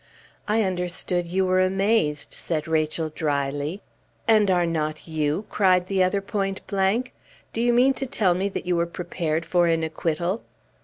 "I understood you were amazed," said Rachel, dryly. "And are not you?" cried the other point blank. "Do you mean to tell me that you were prepared for an acquittal?"